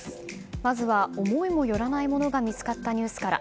まずは思いもよらないものが見つかったニュースから。